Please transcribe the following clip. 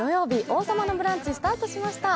「王様のブランチ」スタートしました。